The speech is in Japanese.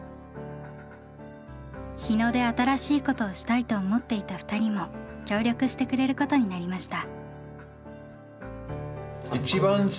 日野で新しいことをしたいと思っていた２人も協力してくれることになりました。